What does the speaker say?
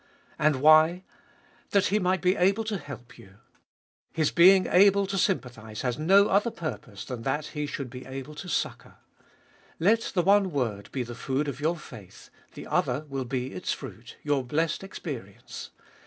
And why ? that He might be able to help you. His being able to sympathise has no other purpose than that He should be able to succour. Let the one word be the food of your faith ; the other will be its fruit, your blessed experience.